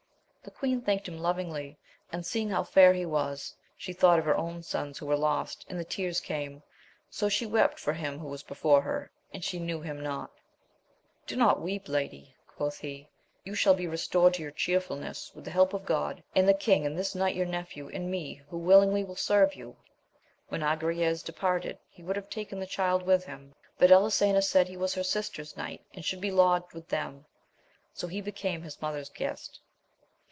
The queen thanked him lovingly, and seeing Mm how fair he was, she thought of her own sons who were lost, and the tears came ; so she wept for him who was before tex, aad. ^V^^e^ \msi\LQ\,. I^<^ AMADIS OF GAUL. 51 not weep, lady, quoth he, you shall be restored to your chearfulness with the help of God, and the king, and this knight your nephew, and me, who willingly will serve you. When Agrayes departed he would have taken the Child with him, but Elisena said he was her sister's knight, and should be lodged with them. So he became his mother's guest.